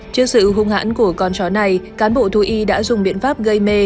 trước sự hung hãn của con chó này cán bộ thú y đã dùng biện pháp gây mê